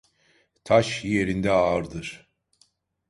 Taş, yerinde ağırdır.